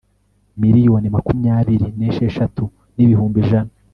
miliyoni makumyabiri n esheshatu n ibihumbi ijana